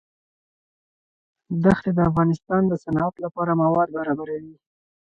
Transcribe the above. دښتې د افغانستان د صنعت لپاره مواد برابروي.